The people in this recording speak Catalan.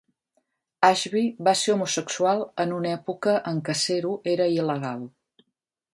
Ashbee va ser homosexual en una època en què ser-ho era il·legal.